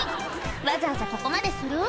わざわざここまでする？